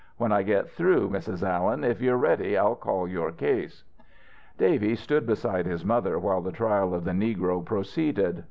When I get through, Mrs. Allen, if you're ready I'll call your case." Davy stood beside his mother while the trial of the negro proceeded.